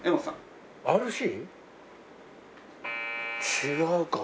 違うか。